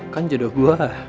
kan jodoh gua